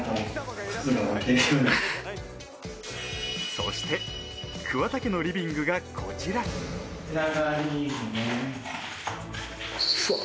そして桑田家のリビングがこちらわっ